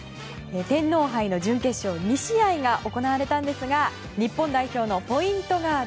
天皇杯の準決勝２試合が行われたんですが日本代表ポイントガード